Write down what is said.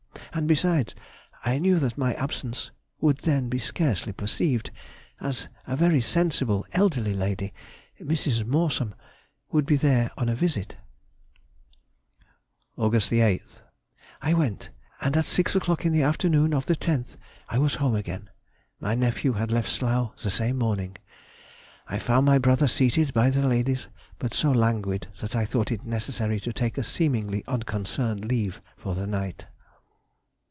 And besides, I knew that my absence would then be scarcely perceived, as a very sensible elderly lady (Mrs. Morsom) would be there on a visit. [Sidenote: 1822. Recollections written at Hanover.] Aug. 8th.—I went, and at six o'clock in the afternoon of the 10th I was home again. My nephew had left Slough the same morning. I found my brother seated by the ladies, but so languid that I thought it necessary to take a seemingly unconcerned leave for the night.